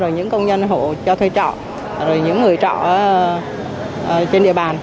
những công nhân hộ cho thuê trọ những người trọ trên địa bàn